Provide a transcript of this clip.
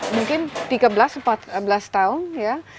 mungkin tiga belas empat belas tahun ya